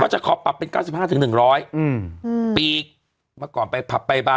ก็จะขอปรับเป็นเก้าสิบห้าถึงหนึ่งร้อยอืมอืมปีกมาก่อนไปผับใบบา